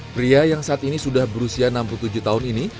pria yang saat ini sudah berusia enam puluh tujuh tahun ini